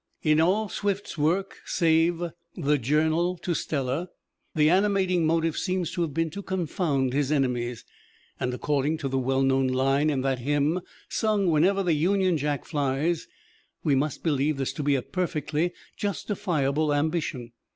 In all Swift's work, save "The Journal to Stella," the animating motive seems to have been to confound his enemies; and according to the well known line in that hymn sung wherever the Union Jack flies, we must believe this to be a perfectly justifiable ambition.